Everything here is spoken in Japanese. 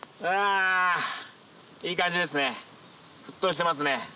うわいい感じですね。